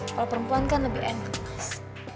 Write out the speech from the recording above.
kalau perempuan kan lebih enak mas